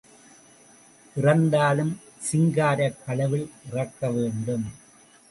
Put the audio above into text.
இறந்தாலும் சிங்காரக் கழுவில் இறக்க வேண்டும்.